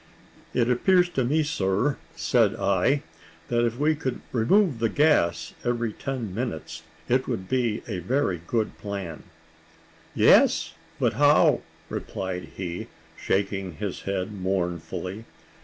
"It appears to me, sir," said I, "that if we could remove the gas every ten minutes, it would be a very good plan." "Yes but how?" replied he, shaking his head mournfully.